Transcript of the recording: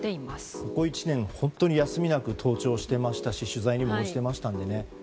ここ１年本当に休みなく登庁していましたし取材にも応じていましたのでね。